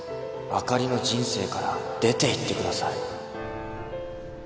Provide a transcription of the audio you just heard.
あかりの人生から出ていってください